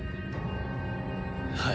はい。